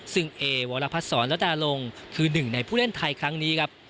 ซึ่งเอวรภศรแล่วนตรารงค์คือ๑ในผู้เล่นไทยครั้งนี้ครับ